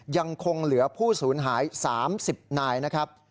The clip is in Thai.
ยังคงเหลือผู้สูญหาย๓๐นายนะครับ